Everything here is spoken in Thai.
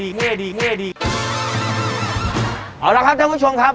ยินดีครับคุณพูดชมครับ